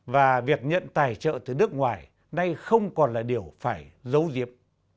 và việc nhận tài trợ từ nước ngoài nay không còn là điều phải giấu diếp